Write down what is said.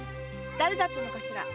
誰だったのかしら？